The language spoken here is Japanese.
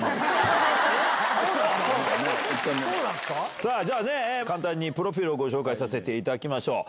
さあ、じゃあね、簡単にプロフィールをご紹介させていただきましょう。